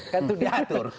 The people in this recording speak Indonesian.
kan itu diatur